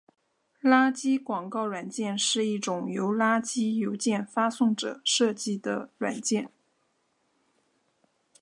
垃圾广告软件是一种由垃圾邮件发送者设计的软件。